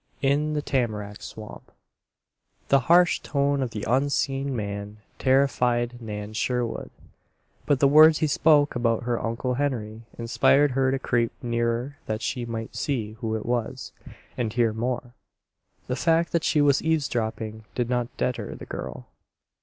IN THE TAMARACK SWAMP The harsh tone of the unseen man terrified Nan Sherwood; but the words he spoke about her Uncle Henry inspired her to creep nearer that she might see who it was, and hear more. The fact that she was eavesdropping did not deter the girl.